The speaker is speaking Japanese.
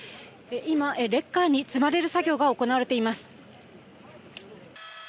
今、レッカーに積まれる作業が行われています。